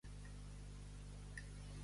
Fer el pipa.